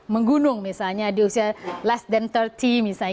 menggunung misalnya di usia less dan tiga puluh misalnya